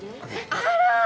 あら！